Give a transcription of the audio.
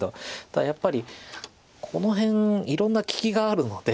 ただやっぱりこの辺いろんな利きがあるので。